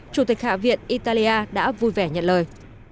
chủ tịch hạ viện italia đã vui vẻ nhận lời